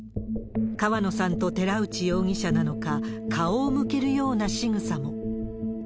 川野さんと寺内容疑者なのか、顔を向けるようなしぐさも。